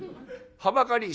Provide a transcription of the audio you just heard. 「はばかり」。